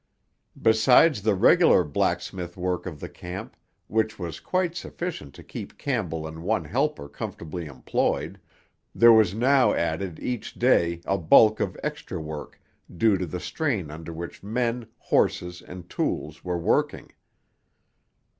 Besides the regular blacksmith work of the camp, which was quite sufficient to keep Campbell and one helper comfortably employed, there was now added each day a bulk of extra work due to the strain under which men, horses and tools were working.